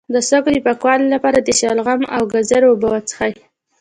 د سږو د پاکوالي لپاره د شلغم او ګازرې اوبه وڅښئ